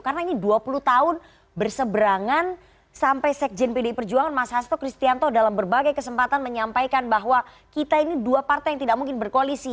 karena ini dua puluh tahun berseberangan sampai sekjen pdi perjuangan mas hasto kristianto dalam berbagai kesempatan menyampaikan bahwa kita ini dua partai yang tidak mungkin berkoalisi